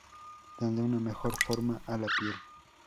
Dando una mejor forma a la piel.